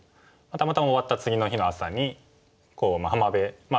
たまたま終わった次の日の朝に浜辺。